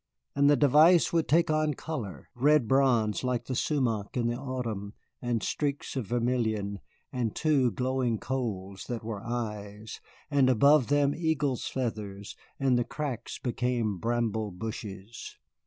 And the device would take on color, red bronze like the sumach in the autumn and streaks of vermilion, and two glowing coals that were eyes, and above them eagles' feathers, and the cracks became bramble bushes.